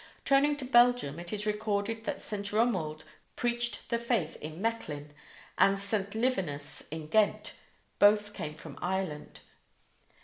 Turning to Belgium, it is recorded that St. Romold preached the faith in Mechlin, and St. Livinus in Ghent. Both came from Ireland.